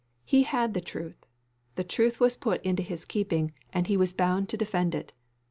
He had the truth. The truth was put into his keeping, and he was bound to defend it.